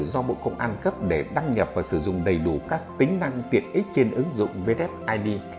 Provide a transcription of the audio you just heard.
đăng cấp để đăng nhập và sử dụng đầy đủ các tính năng tiện ích trên ứng dụng vdf id